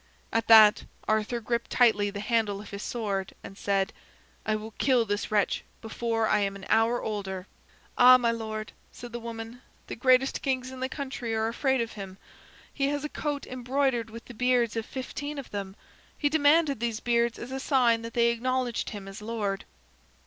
At that Arthur gripped tightly the handle of his sword and said: "I will kill this wretch before I am an hour older." "Ah, my lord," said the woman, "the greatest kings in the country are afraid of him. He has a coat embroidered with the beards of fifteen of them. He demanded these beards as a sign that they acknowledged him as lord."